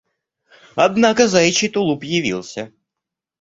Однако заячий тулуп явился.